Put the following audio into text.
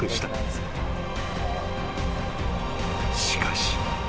［しかし］